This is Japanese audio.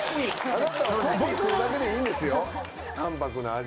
あなたはコピーするだけでいいんですよ。